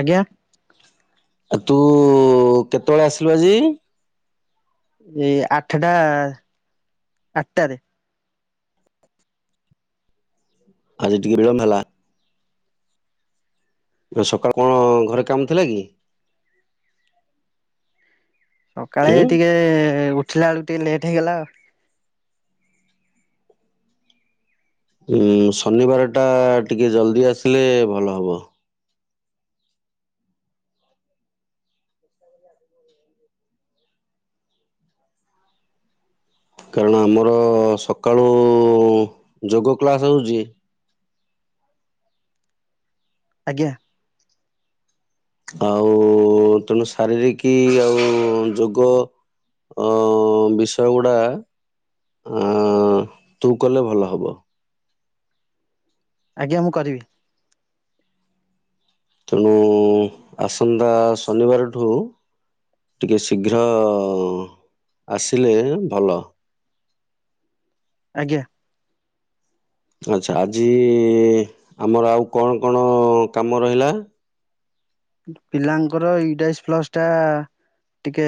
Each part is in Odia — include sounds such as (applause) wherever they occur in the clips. ଆଜ୍ଞା। ତୁ-ଉ କେତେବେଳେ ଆସିଲୁ ଆଜି? ଏଇ ଆଠଟା ଆଟାରେ। ଆଜି ଟିକେ ବିଳମ୍ୱ ହେଲା। ସକାଳେ କଣ ଘରେ କାମ ଥିଲା କି? ଉଁ ସକାଳେ ଟିକେ ଉଠିଲା ବେଳକୁ ଟିକେ ଲେଟ୍ ହେଇଗଲା ଆଉ। ଉଁ ଶନିବାର ଟା ଟିକେ ଜଲ୍ଦି ଆସିଲେ ଭଲ ହବ। କାରଣ ଆମର ସକାଳୁ ଯୋଗ କ୍ଳାସ ହଉଚି। ଆଜ୍ଞା। ଆଉ ତେଣୁ ଶାରୀରିକ ଆଉ ଯୋଗ। ଅ ବିଷୟ ଗୁଡା। ଅ ତୁ କଲେ ଭଲ ହବ। ଆଜ୍ଞା ମୁଁ କରିବି। ତେଣୁ ଆସନ୍ତା ଶନିବାରଠୁ। ଟିକେ ଶୀଘ୍ର ଆସିଲେ ଭଲ। (unintelligible) ଆଜ୍ଞା। ଆଛା ଆଜି ଆମର ଆଉ କଣ କଣ କାମ ରହିଲା? ପିଲାଙ୍କର ଇଡାଇଶ ପ୍ଲସ ଟା। ଟିକେ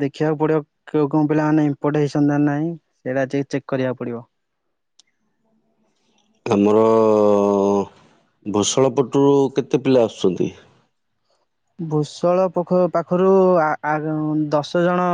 ଦେଖିବାକୁ ପଡିବ କେଉ କେଉ ପିଲାମାନେ ଇପୋର୍ଟ ହେଇଚନ ନା ନାଇଁ ଏରା ଚେକ୍ ଚେକ୍‌ କରିବା ପଡ଼ିବ। ଆ ଆମର ଭୂଷଳପଟରୁ କେତେ ପିଲା ଆସୁଚନ୍ତି? ଭୂସଳ ପୋଖ ପାଖରୁ ଆ ଆ ଦଶ ଜଣ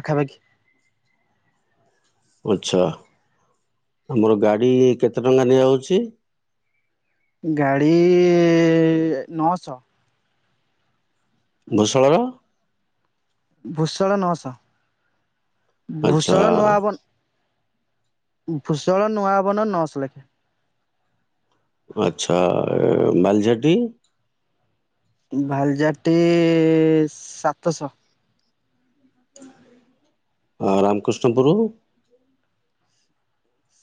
ପାଖାପାଖି। (unintelligible) ଆଛା ଆମର ଗାଡ଼ି କେତେ ଟଙ୍କା ନିଆଯାଉଛି। ଗାଡ଼ି ଇ ନଅଶହ। ଘୋଷଳର। ଭୂଷଳ ନସ ଆଚ୍ଛା ଭୂଷଳ ନୁଆଅବନ ଭୂସଳ ନୁଆ ଆବନ ନଶ ଲେଖା। ଆଛା ବଲିଝାଟି। ଭାଲିଝାଟି ସାତଶହ। ଆ ରାମକୃଷ୍ଣ ପୁରୁ।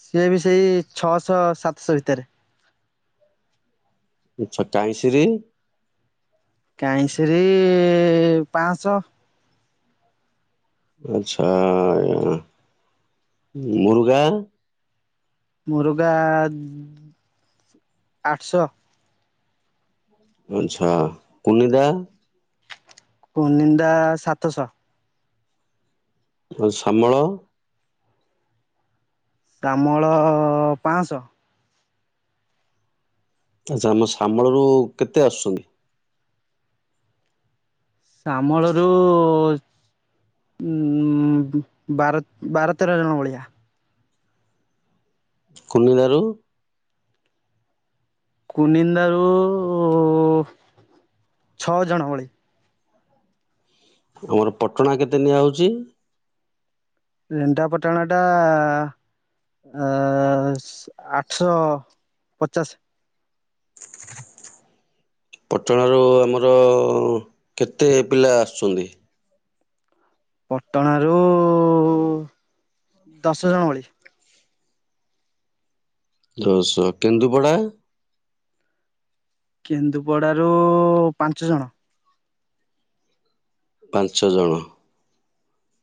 ସିଏ ବି ସେଇ ଛଅଶହ ସାତଶହ ଭିତରେ। ଛଟା ଇସିରି କାଇଁଶରି ଇ ପାଶ। ଆଚ୍ଛା ଆ ମୁର୍ଗା। ମୁରୁଗା ଆଠଶହ। ଆଛା କୁନିଦା। କୁନିଦ୍ଦା ସାତସହ। ଆ ଶ୍ୟାମଳ। ଶ୍ୟାମଳ ପାଶହ। ଆଚ୍ଛା ଆମ ଶ୍ୟାମଳ ରୁ କେତେ ଆସୁଛନ୍ତି। ଶ୍ୟାମଳ ରୁ ଉ,। ଉ ବାର ବାର ତେରଜଣ ଭଳିଆ। କୁନି ଦାରୁ କୁ ନିନ୍ଦା ରୁ ଉ ଛଅ ଜଣ ଭଳି। ଆମର ପଟଣା କେତେ ନିଆ ହଉଚି। ରେଦ୍ଦା ପାଟଣା ଟା ଆ ଆ ସ ଆଠଶହ ପଚାଶ। ପଟଣାରୁ ଆମର କେତେ ପିଲା ଆସୁଛନ୍ତି। ପଟଣାରୁ ରୁ ଉ ଦଶ ଜଣ ଭଳି। ଦଶ କେନ୍ଦୁପଡ଼ା। କେନ୍ଦୁପଡ଼ା ରୁ ଉ ପାଞ୍ଚ ଜଣ। ପାଞ୍ଚ ଜଣ।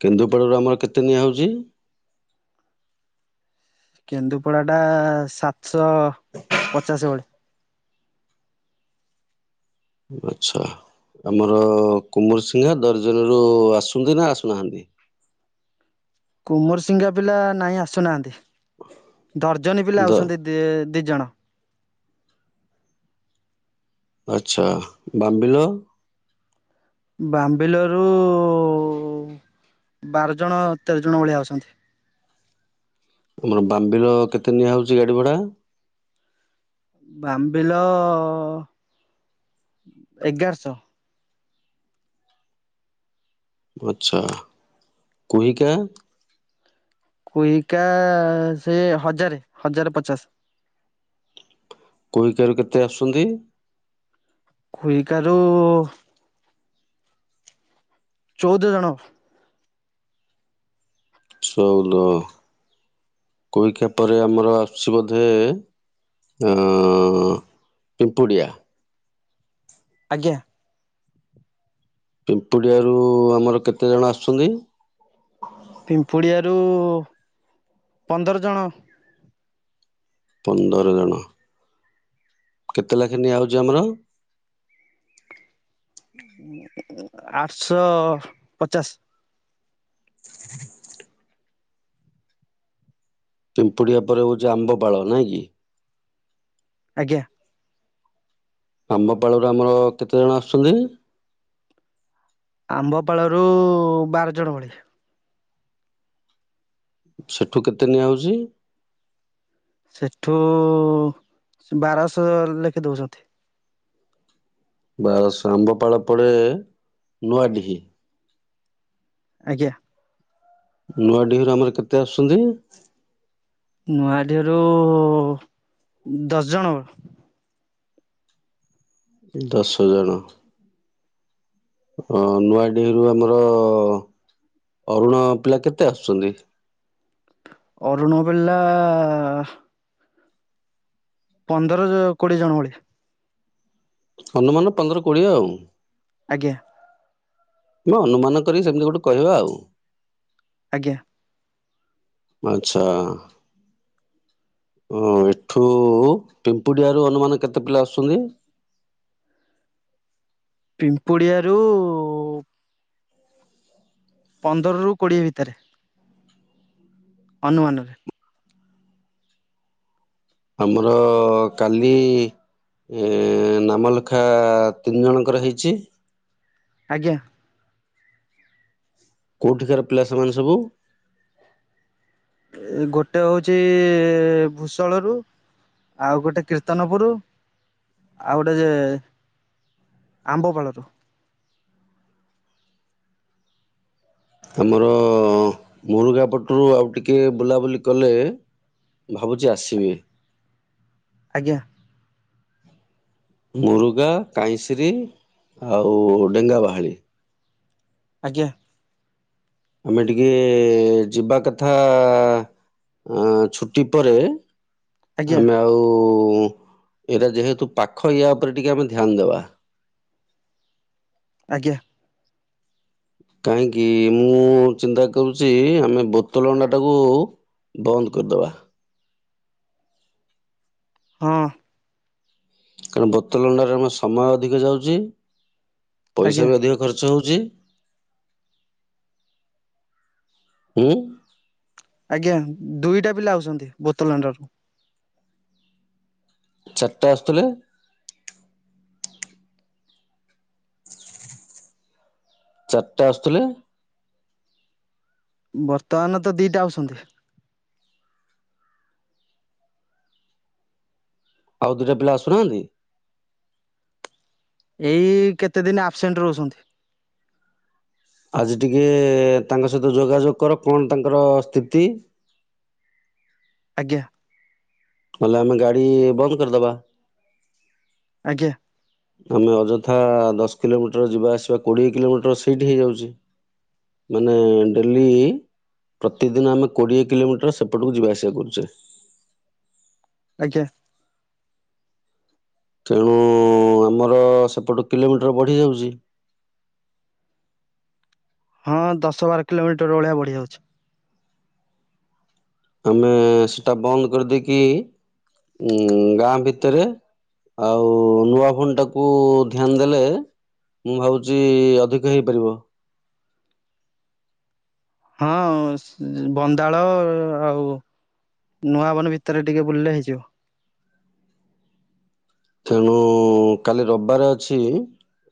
କେନ୍ଦୁପଡ଼ାରୁ ଆମର କେତେ ନିଆଁ ହଉଚି। କେନ୍ଦୁପଡ଼ା ଟା ସାତଶହ ପଚାଶେ ଭଳି। ଆଚ୍ଛା ଆମର କୁମର ସିିଂଙ୍ଗା ଦର୍ଜନ ରୁ ଆସୁନ୍ତି ନା ଆସୁନାହାନ୍ତି। (inaudible) କୁମର ସିଂଙ୍ଗା ପିଲା ନାଇଁ ଆସୁନାହାନ୍ତି। ଦର୍ଜନି ପିଲା ଦ ଆଉଛନ୍ତି ଦି ଦି ଜଣ। ଆଚ୍ଛା ବାମ୍ବିଲ। ବାମ୍ବିଲ ରୁଉଉଉଉ ବାର ଜଣ ତେର ଜଣ ଭଳିଆ ଅଛନ୍ତି। ଉମା ବାମ୍ବିଲ କେତେ ନିଆ ହଉଚି ଗାଡ଼ି ଭଡ଼ା। ବାମ୍ବିଲ ଅ ଅ ଏଗାରଶହ। ଆଚ୍ଛା କୁହିକା। କୁହିକା ସେ ହଜାରେ ହଜାରେ ପଚାଶେ। କୁହିକା ରୁ କେତେ ଆସୁଛନ୍ତି। କୁହିକା ରୁ ଚୋଉଦ ଜଣ। ଚୋଉଦ କୁହିକା ପରେ ଆମର ଆସଛି ବୋଧେ ଏ ଅ, ଅ, ଅ, ପିମ୍ପୁଡ଼ିଆ। ଆଜ୍ଞା। ପିମ୍ପୁଡ଼ିଆରୁ ଆମର କେତେ ଜଣ ଆସୁଛନ୍ତି? ପିମ୍ପୁଡ଼ିଆରୁ ପନ୍ଦର ଜଣ। ପନ୍ଦର ଜଣ। କେତେ ଲାଖେ ନିଆହଉଛି ଆମର? ଆଠଶହ ପଚାଶ। ପିମ୍ପୁଡିିଆ ପରେ ହଉଛି ଆମ୍ବପାାଳ ନାଇଁ କି? ଆଜ୍ଞା। ଆମ୍ବପାଳରୁ ଆମର କେତେ ଜଣ ଆସୁଛନ୍ତି? ଆମ୍ବପାଳରୁ ବାରଜଣ ଭଳିଆ। ସେଠୁ କେତେ ନିଆହଉଛି? ସେଠୁ ବାରଶହ ଲେଖେ ଦେଉଛନ୍ତି। ବାରଶ ଆମ୍ବପାଳ ପଡେ ନୂଆଡିହି। ଆଜ୍ଞା। ନୂଆଡିହରୁ ଆମର କେତେ ଆସୁଛନ୍ତି? ନୂଆଡିହିରୁ ଦଶଜଣ। ଦଶଜଣ। ଅ ନୂଆଡିହରୁ ଆମର ଅରୁଣ ପିଲା କେତେ ଆସୁଛନ୍ତି? ଅରୁଣ ପିଲା ପନ୍ଦର କୋଡିଏ ଜଣ ଭଳିଆ। ହନୁମାନ ପନ୍ଦର କୋଡିଏ ଆଉ। ଆଜ୍ଞା। ହଁ ଅନୁମାନ କରି ସେମିତି ଗୋଟେ କହିବା ଆଉ। ଆଜ୍ଞା। ଆଚ୍ଛା। ଓ ଏଠୁ ପିମ୍ପୁଡିଆର ଅନୁମାନ କେତେ ପିଲା ଆସୁଛନ୍ତି? ପିମ୍ପୁଡିଆରୁ ପନ୍ଦରରୁ କୋଡ଼ିଏ ଭିତରେ ଅନୁମାନରେ ଆମର କାଲି ଏ ନାମଲେେଖା ତିନି ଜଣଙ୍କର ହେଇଛି। ଆଜ୍ଞା। କୋଉଠିକାର ପିଲା ସେମାନେ ସବୁ। ଗୋଟେ ହଉଛି ଭୂସଳ ରୁ। ଆଉ ଗୋଟେ କୀର୍ତ୍ତନପୁର ଆଉ ଗୋଟେ ଯେ ଆମ୍ବପାଳରୁ। ଆମର ମୁରୁଗା ପଟରୁ ଆଉ ଟିକିଏ ବୁଲାବୁଲି କଲେ। ଭାବୁଛି ଆସିବି। ଆଜ୍ଞା। ମୁରୁଗା କାହିଁସିରି ଆଉ ଡେଙ୍ଗା ବାହାଳି। ଆଜ୍ଞା। ଆମେ ଟିକେ ଯିବା କଥା। ଅ ଛୁଟି ପରେ ଆଜ୍ଞା ଆମେ ଆଉ। ଏଇଟା ଯେହେତୁ ପାଖ ଏରିଆ ଉପରେ ଟିକେ ଆମେ ଧ୍ୟାନ ଦେବା। ଆଜ୍ଞା। କାହିଁକି ମୁଁ ଚିନ୍ତା କରୁଛି ଆମେ ବୋତଲ ଅଣ୍ଡା ଟାକୁ। ବନ୍ଦ କରିଦବା। ହଁ। କାରଣ ବୋତଲ ଅଣ୍ଡାରେ (unintelligible) ଆମ ସମୟ ଅଧିକ ଯାଉଛି ପଇସା ଆଜ୍ଞା ବି ଅଧିକ ଖର୍ଚ୍ଚ ହଉଛି। ଜି। ହୁଁ। ଆଜ୍ଞା ଦୁଇଟା ପିଲା ଆଉଛନ୍ତି, ବୋତଲଣ୍ଡାରୁ। ଚାରିଟା ଆସୁଥିଲେ। ଚାରିଟା ଆସୁଥିଲେ। ବର୍ତ୍ତମାନ ତ ଦିଟା ଆଉଛନ୍ତି। ଆଉ ଦୁଟା ପିଲା ଆସୁନାହାନ୍ତି? ଏଇ କେତେ ଦିନ ଆବସେଣ୍ଟ ରହୁଛନ୍ତି। ଆଜି ଟିକେ ତାଙ୍କ ସହିତ ଯୋଗାଯୋଗ କର କଣ ତାଙ୍କର ସ୍ଥିତି। (inaudible) ଆଜ୍ଞା। ନହେଲେ ଆମେ ଗାଡି ବନ୍ଦ କରିଦବା। ଆଜ୍ଞା। ଆମେ ଅଯଥା ଦଶ କିଲୋମିଟର ଯିବା ଆସିବା କୋଡ଼ିଏ କିଲୋମିଟର ସେଇଠି ହେଇଯାଉଛି। ମାନେ ଡେଲି। ପ୍ରତିଦିନ ଆମେ କୋଡିଏ କିଲୋମିଟର ସେପଟକୁ ଯିବା ଆସିବା କରୁଛେ। ଆଜ୍ଞା। ତେଣୁ ଆମର ସେପଟ କିଲୋମିଟର ବଢି ଯାଉଛି। ହଁ ଦଶ ବାର କିଲୋମିଟର ର ଭଳିଆ ବଢି ଯାଉଛି। ଆମେ ସେଟା ବନ୍ଦ କରିଦେଇକି ଉ ଗାଁ ଭିତରେ। ଆଉ ନୂଆ ଫୋନ ଟାକୁ ଧ୍ୟାନ ଦେଲେ। ମୁଁ ଭାବୁଛି ଅଧିକ ହେଇପାରିବ। ହଁ ବନ୍ଦାଳ ଆଉ। ନୂଆବନ ଭିତରେ ଟିକେ ବୁଲିଲେ ହେଇଯିବ। ତେଣୁ କାଲି ରବିବାର ଅଛି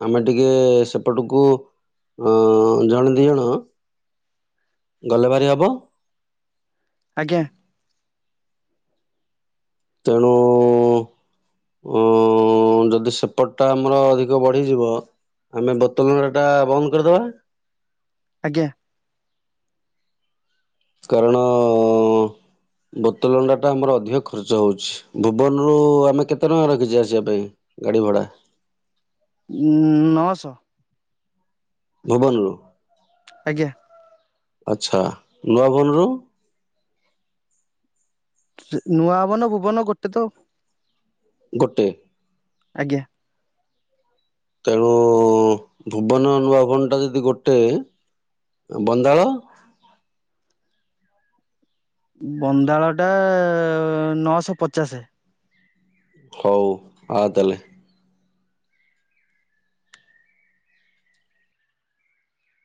ଆମେ ଟିକେ ସେପଟକୁ ଅ ଜଣେ ଦି ଜଣ ଗଲେ ବାରି ହବ। ଆଜ୍ଞା। ତେଣୁ ଅ ଯଦି ସେପଟ ଟା ଆମର ଅଧିକ ବଢିଯିବ ଆମେ ବୋତଲରା ଟା ବନ୍ଦ କରିଦବା। ଆଜ୍ଞା। କାରଣ ବୋତଲଣ୍ଡା ଟା ଆମର ଅଧିକ ଖର୍ଚ୍ଚ ହଉଛି, ଭୁବନରୁୁ ଆମେ କେତେ ଟଙ୍କା ରଖିଛେ ଆସିବା ପାଇଁ? ବଡ଼ା? ଉଁ ନଅଶହ। ଭୁବନରୁ? ଆଜ୍ଞା। ଆଛା, ନୂଆଭୁବନରୁ? ନୂଆ ହବନ ଭୁବନ ଗୋଟେ ତ। ଗୋଟେ? ଆଜ୍ଞା। ତେଣୁ ଭୁବନ, ନୂଆ ଭୁବନ ଟା ଯଦି ଗୋଟେ ବନ୍ଦାଳ? ବନ୍ଦାଳ ଟା ନଅଶହ ପଚାଶେ। ହଉ ଆ ତାହଲେ।